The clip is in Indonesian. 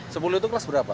sepuluh itu kelas berapa